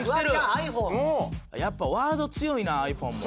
やっぱワード強いな「ｉＰｈｏｎｅ」も。